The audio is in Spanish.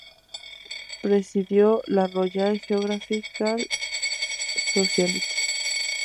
Presidió la Royal Geographical Society.